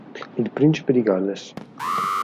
Il Principe di Galles.